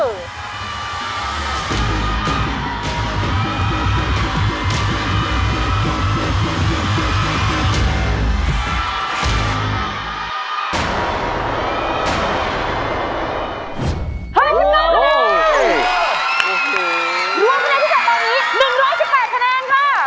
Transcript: เฮ้ยเป็นก้าน